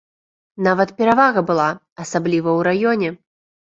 Нават перавага была, асабліва ў раёне.